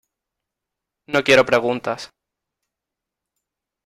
no quiero preguntas.